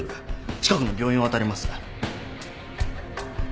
近くの病院をあたります。